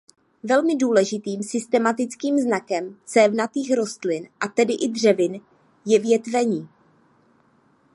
Velmi důležitým systematickým znakem cévnatých rostlin a tedy i dřevin je větvení.